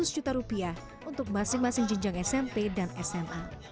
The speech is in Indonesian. seratus juta rupiah untuk masing masing jenjang smp dan sma